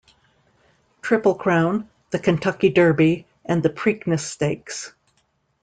Triple Crown, the Kentucky Derby and the Preakness Stakes.